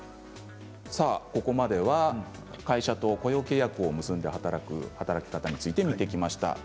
ここまでは会社と雇用契約を結んで働く働き方について見ていきました。